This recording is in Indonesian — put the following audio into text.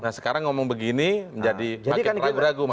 nah sekarang ngomong begini menjadi makin ragu ragu